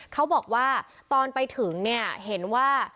เขาบอกว่าตอนไปถึงเห็นว่า